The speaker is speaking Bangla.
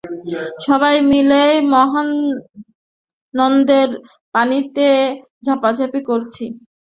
সবাই মিলে মহানন্দে পানিতে ঝাঁপাঝাঁপি করছি।